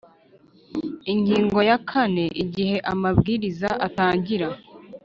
Ingingo ya kane Igihe Amabwiriza atangira